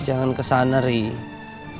jangan kesana riri